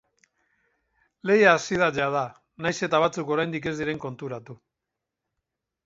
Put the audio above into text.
Lehia hasi da jada, nahiz eta batzuk oraindik ez diren konturatu.